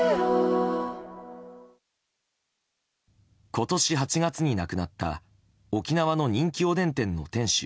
今年８月に亡くなった沖縄の人気おでん店の店主